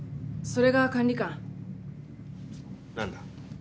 それが管理官何だ？